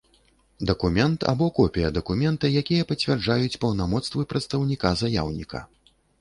Дакумент або копiя дакумента, якiя пацвярджаюць паўнамоцтвы прадстаўнiка заяўнiка.